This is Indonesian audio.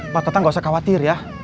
pak toto gak usah khawatir ya